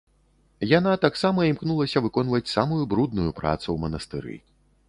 Яна таксама імкнулася выконваць самую брудную працу ў манастыры.